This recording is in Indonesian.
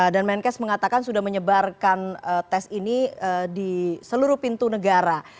dan menkes mengatakan sudah menyebarkan tes ini di seluruh pintu negara